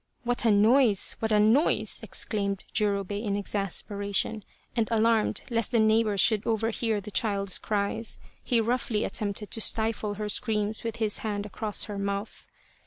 " What a noise, what a noise !" exclaimed Jurobei in exasperation, and alarmed lest the neighbours should overhear the child's cries, he roughly attempted to stifle her screams with his hand across her mouth.